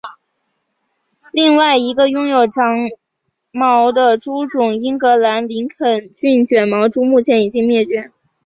另外一个拥有长毛的猪种英格兰林肯郡卷毛猪目前已经灭绝。